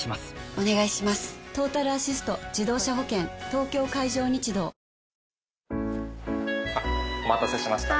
東京海上日動お待たせしました。